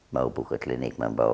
mau buka klinik membawa